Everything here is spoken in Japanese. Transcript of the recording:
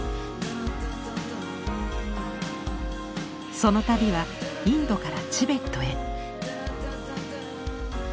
その旅はインドからチベットへ。